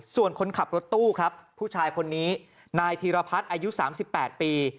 ส่วนคนขับรถตู้ครับผู้ชายคนนี้นายธีรพัฒน์อายุ๓๘ปี